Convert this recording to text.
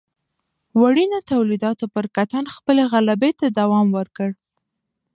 وړینو تولیداتو پر کتان خپلې غلبې ته دوام ورکړ.